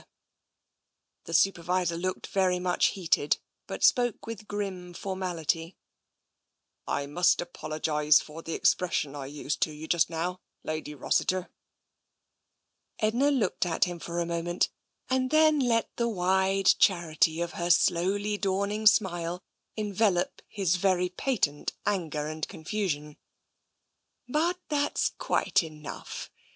€f i86 TENSION The Supervisor looked very much heated, but spoke with grim formality. I must apologise for the expression I used to you just now, Lady Rossiter." Edna looked at him for a moment, and then let the wide charity of her slowly dawning smile envelop his very patent anger and confusion. " But that's quite enough